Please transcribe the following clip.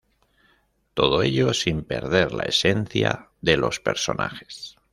Todo ello sin perder la esencia de los personajes.